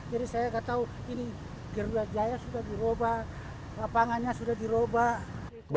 jadi saya gak tau ini garuda jaya sudah diubah